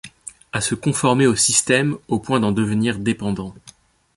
À se conformer au système au point d’en devenir dépendant.